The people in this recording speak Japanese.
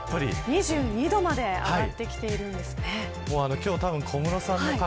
２２度まで上がってきているんですね。